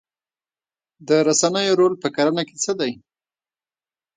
د رسنیو رول په کرنه کې څه دی؟